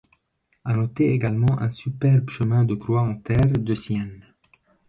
À noter également un superbe chemin de croix en terre de Sienne.